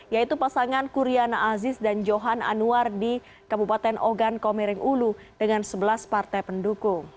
yaitu pasangan kuriana aziz dan johan anwar di kabupaten ogan komiring ulu dengan sebelas partai pendukung